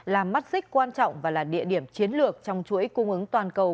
làm mắt xích quan trọng và là địa điểm chiến lược trong chuỗi cung ứng toàn cầu